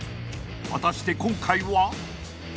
［果たして今回は？］